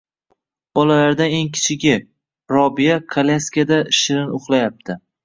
Bolalardan eng kichigi — Robiya kolyaskada shirin uxlayapti.